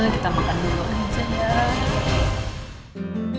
kita makan dulu aja